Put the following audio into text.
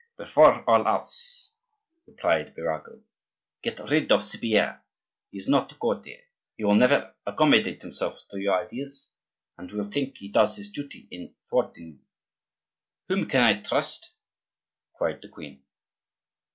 "Before all else," replied Birago, "get rid of Cypierre. He is not a courtier; he will never accommodate himself to your ideas, and will think he does his duty in thwarting you." "Whom can I trust?" cried the queen.